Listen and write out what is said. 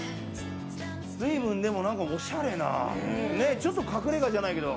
随分おしゃれなちょっと隠れ家じゃないけど。